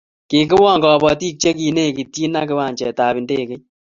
kikion kabotik che kilekityini kiwanjetab ndeget